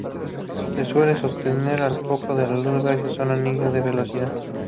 Se suele sostener al foco de luz gracias a un anillo de velocidad.